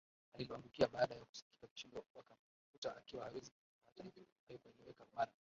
aliloangukia baada ya kusikia kishindo wakamkuta akiwa hawezi kuinuka Hata hivyo haikueleweka mara